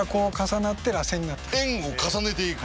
円を重ねていく？